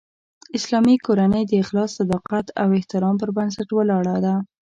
اسلامي کورنۍ د اخلاص، صداقت او احترام پر بنسټ ولاړه ده